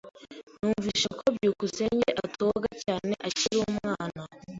Numvise ko byukusenge atoga cyane akiri umwana.